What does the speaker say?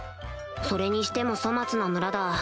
それにしても粗末な村だ